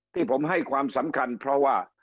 ที่ผมให้ความสำคัญเพราะว่า